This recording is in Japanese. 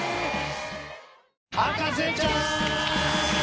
『博士ちゃん』！